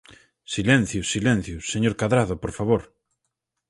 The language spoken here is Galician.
Silencio, silencio, ¡señor Cadrado, por favor!